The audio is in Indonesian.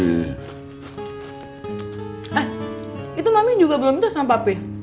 eh itu mami juga belum minta sama papi